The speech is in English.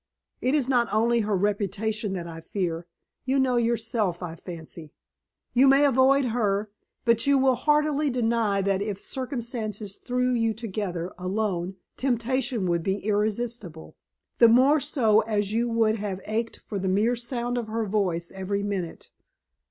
It is not only her reputation that I fear. You know yourself, I fancy. You may avoid her, but you will hardly deny that if circumstances threw you together, alone, temptation would be irresistible the more so as you would have ached for the mere sound of her voice every minute.